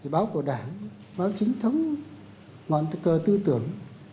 báo của đảng báo chính thống ngọn cờ tư tưởng